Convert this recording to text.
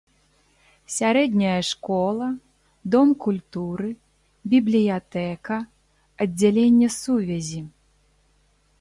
Сярэдняя школа, дом культуры, бібліятэка, аддзяленне сувязі.